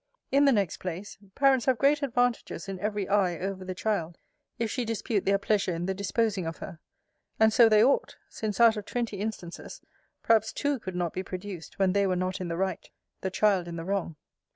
In the next place, parents have great advantages in every eye over the child, if she dispute their pleasure in the disposing of her: and so they ought; since out of twenty instances, perhaps two could not be produced, when they were not in the right, the child in the wrong.